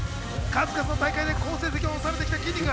数々の大会で好成績を収めてきた、きんに君。